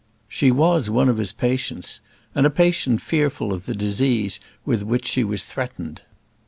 She was one of his patients, and a patient fearful of the disease with which she was threatened.